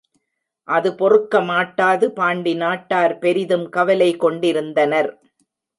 அது பொறுக்க மாட்டாது பாண்டி நாட்டார் பெரிதும் கவலைகொண்டிருந்தனர்.